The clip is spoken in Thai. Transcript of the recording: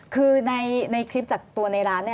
คือในคลิปจากตัวในร้าน